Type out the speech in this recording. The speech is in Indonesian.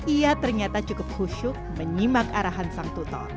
ia ternyata cukup husyuk menyimak arahan sang tutor